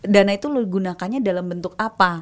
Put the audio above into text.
dana itu gunakannya dalam bentuk apa